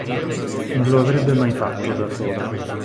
Non lo avrebbe mai fatto da sola.